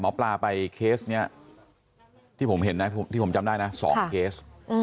หมอปลาไปเคสนี้ที่ผมเห็นนะที่ผมจำได้นะ๒เคส